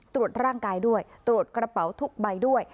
ตรวจร่างกายด้วยตรวจกระเป๋าทุกใบด้วย